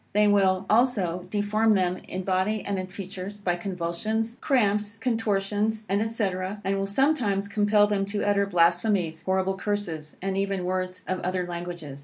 They will also deform them in body and in features, by convulsions, cramps, contortions, &c., and will sometimes compel them to utter blasphemies, horrible curses, and even words of other languages.